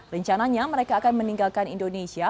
rencananya mereka akan meninggalkan indonesia